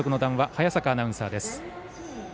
早坂アナウンサーです。